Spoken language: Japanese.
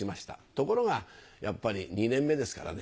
ところがやっぱり２年目ですからね。